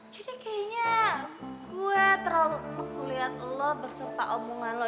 jadi kayaknya gue terlalu emak ngeliat lo bersumpah omongan lo